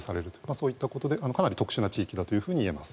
そういったことでかなり特殊な地域だといえます。